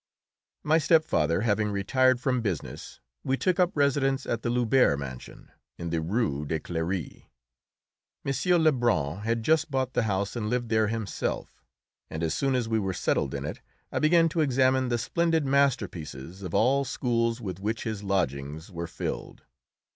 My stepfather having retired from business, we took up residence at the Lubert mansion, in the Rue de Cléry. M. Lebrun had just bought the house and lived there himself, and as soon as we were settled in it I began to examine the splendid masterpieces of all schools with which his lodgings were filled.